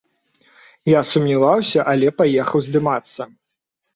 Я сумняваўся, але паехаў здымацца.